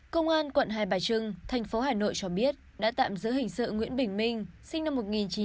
công an quận hai bà trưng thành phố hà nội cho biết đã tạm giữ hình sự nguyễn bình minh sinh năm một nghìn chín trăm tám mươi